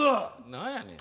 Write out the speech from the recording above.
何やねん。